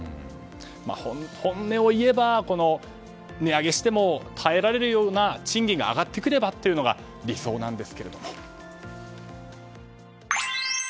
本音を言えば値上げしても耐えられるような賃金が上がってくればというのが理想なんですけれども。